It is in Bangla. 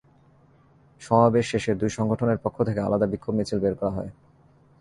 সমাবেশ শেষে দুই সংগঠনের পক্ষ থেকে আলাদা বিক্ষোভ মিছিল বের করা হয়।